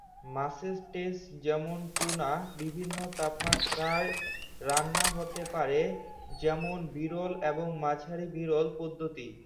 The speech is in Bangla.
মাছের স্টেক, যেমন টুনা, বিভিন্ন তাপমাত্রায় রান্নার হতে পারে, যেমন বিরল এবং মাঝারি-বিরল পদ্ধতি।